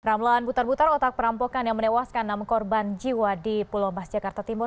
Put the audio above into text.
ramlan butar butar otak perampokan yang menewaskan enam korban jiwa di pulau mas jakarta timur